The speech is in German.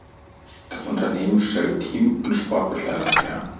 Das Unternehmen stellt Team- und Sportbekleidung her.